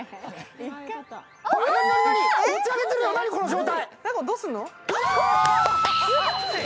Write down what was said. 持ち上げてるよ、何、この状態！